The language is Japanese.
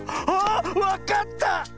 あっわかった！